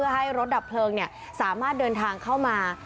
ให้รถดับเพลิงสามารถเดินทางเข้ามา